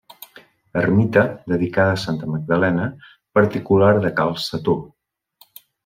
Ermita, dedicada a Santa Magdalena, particular de cal Setó.